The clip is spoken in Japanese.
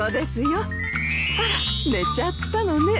あら寝ちゃったのね。